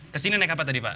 kesini naik apa tadi pak